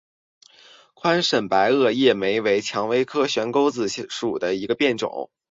宽萼白叶莓为蔷薇科悬钩子属下的一个变种。